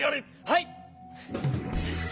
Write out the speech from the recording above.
はい！